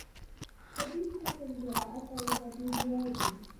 په دې سیمه کې د زراعت تولیدات ډېر لوړ دي.